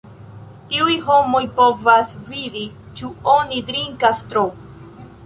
Tiuj homoj povas vidi ĉu oni drinkas tro.